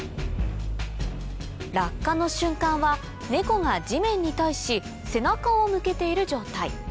落下の瞬間はネコが地面に対し背中を向けている状態